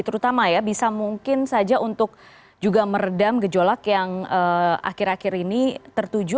terutama ya bisa mungkin saja untuk juga meredam gejolak yang akhir akhir ini tertuju